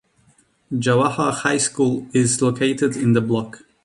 Jawahar High school is located in the block.